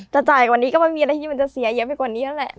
จ่ายกว่านี้ก็ไม่มีอะไรที่มันจะเสียเยอะไปกว่านี้แล้วแหละ